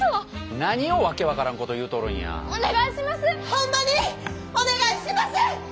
ホンマにお願いします！